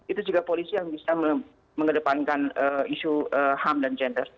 itu juga polisi yang bisa mengedepankan isu ham dan gender